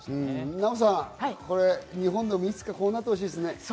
ナヲさん、日本もいつかこうなってほしいですね。